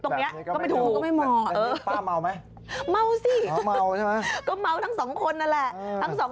นี่ภูจิษสาห์สแปดกันได้เหรอ